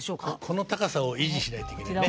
この高さを維持しないといけないね。